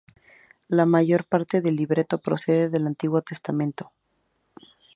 La mayor parte del libreto procede del Antiguo Testamento.